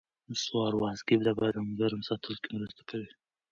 نسواري وازګې د بدن ګرم ساتلو کې مرسته کوي.